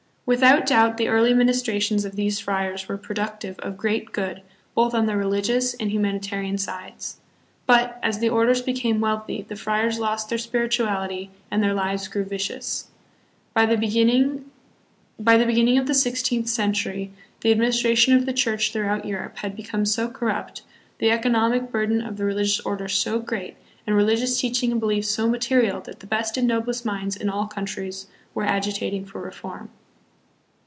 Without doubt the early ministrations of these friars were productive of great good both on the religious and humanitarian sides. But, as the orders became wealthy, the friars lost their spiritu ality and their lives grew vicious. By the beginning of the sixteenth century the administration of the Church throughout Europe had become so corrupt, the economic burden of the religious orders so great, and religious teaching and belief so material, that the best and noblest minds in all countries were agitating for reform.